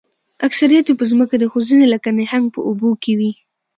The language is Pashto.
اکثریت یې په ځمکه دي خو ځینې لکه نهنګ په اوبو کې وي